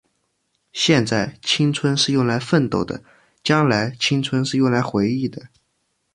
现在，青春是用来奋斗的；将来，青春是用来回忆的。